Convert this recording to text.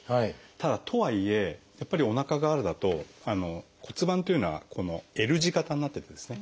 ただとはいえやっぱりおなか側からだと骨盤というのはＬ字形になってるんですね。